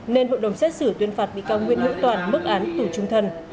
nên hội đồng xét xử tuyên phạt bị cáo nguyễn hữu toàn bức án tủ trung thân